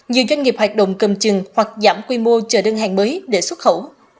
nhiều doanh nghiệp hoạt động cầm chừng hoặc giảm quy mô chờ đơn hàng mới để xuất khẩu